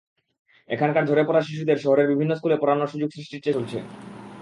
এখানকার ঝরে পড়া শিশুদের শহরের বিভিন্ন স্কুলে পড়ানোর সুযোগ সৃষ্টির চেষ্টা চলছে।